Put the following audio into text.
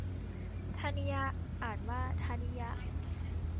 ธนิย อ่านว่า ทะนิยะ